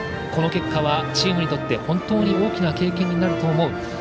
この結果はチームにとって本当に大きな経験になると思う。